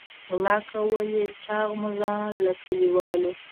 غلا کول یې چاغ مږان له کلیوالو.